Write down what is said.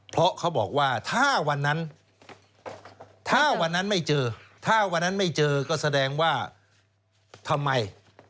เพราะเขาบอกว่าถ้าวันนั้นไม่เจอก็แสดงว่าทำไม